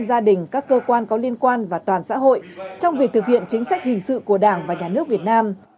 gia đình các cơ quan có liên quan và toàn xã hội trong việc thực hiện chính sách hình sự của đảng và nhà nước việt nam